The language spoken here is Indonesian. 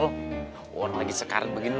udah jangan lagi sekarang begini